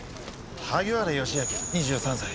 萩原義明２３歳。